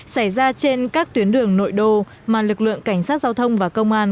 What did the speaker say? xảy ra trên các tuyến đường nội đô mà lực lượng cảnh sát giao thông và công an